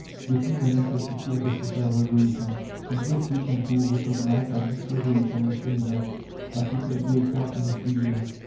They feel the necessity of a social revolution; and both rich and poor recognize that this revolution is imminent, that it may break out in a few years.